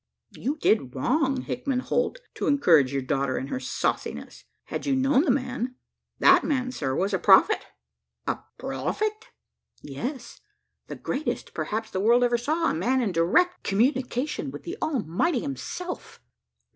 "You did wrong, Hickman Holt, to encourage your daughter in her sauciness. Had you known the man that man, sir, was a prophet!" "A prophet!" "Yes the greatest perhaps the world ever saw a man in direct communication with the Almighty himself."